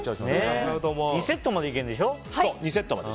２セットまでいけるんでしょ。